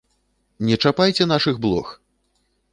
Не чапайце нашых блох!